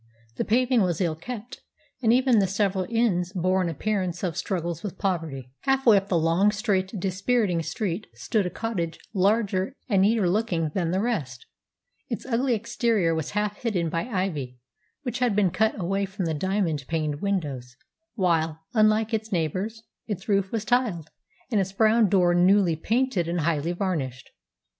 The paving was ill kept, and even the several inns bore an appearance of struggles with poverty. Half way up the long, straight, dispiriting street stood a cottage larger and neater looking than the rest. Its ugly exterior was half hidden by ivy, which had been cut away from the diamond paned windows; while, unlike its neighbours, its roof was tiled and its brown door newly painted and highly varnished.